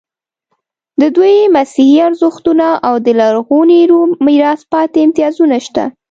د دوی مسیحي ارزښتونه او د لرغوني روم میراث پاتې امتیازونه شته.